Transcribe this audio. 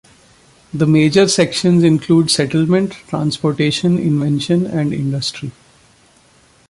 The major sections include settlement, transportation, invention, and industry.